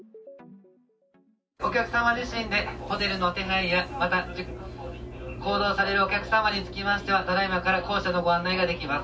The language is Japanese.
お客様自身でホテルの手配や、また行動されるお客様につきましては、ただいまから降車のご案内ができます。